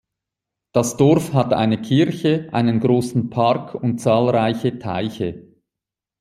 Das Dorf hat eine Kirche, einen großen Park und zahlreiche Teiche.